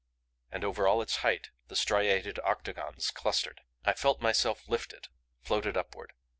And over all its height the striated octagons clustered. I felt myself lifted, floated upward.